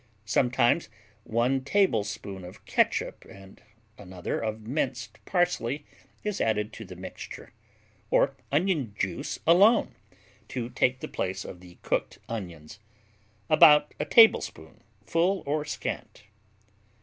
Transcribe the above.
Sometimes 1 tablespoon of catsup and another of minced parsley is added to the mixture. Or onion juice alone, to take the place of the cooked onions about a tablespoon, full or scant.